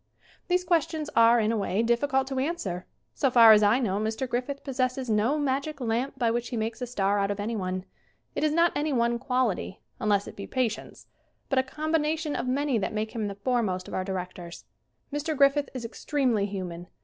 These questions are, in a way, difficult to answer. So far as I know Mr. Griffith pos sesses no magic lamp by which he makes a star out of anyone. It is not any one quality unless it be patience but a combination of many that make him the foremost of our directors. Mr. Griffith is extremely human.